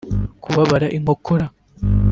Kubabara inkokora